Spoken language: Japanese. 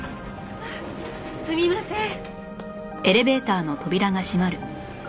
すみません。